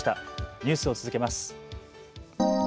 ニュースを続けます。